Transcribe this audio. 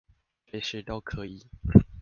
隨時都可以